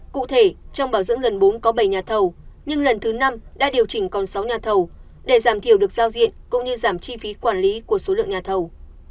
cụ thể trong bảo dưỡng lần bốn có bảy nhà thầu nhưng lần thứ năm đã điều chỉnh còn sáu nhà thầu để giảm thiểu được giao diện cũng như giảm chi phí quản lý của số lượng nhà thầu